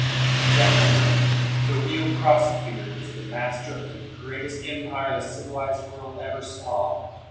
Gentlemen, the real prosecutor is the master of the greatest empire the civilized world ever saw.